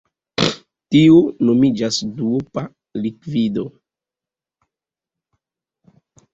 Tio nomiĝas "duopa likvido".